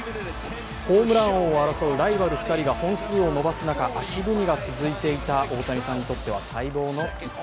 ホームラン王を争うライバル２人が本数を伸ばす中足踏みが続いていた大谷さんにとっては待望の１本。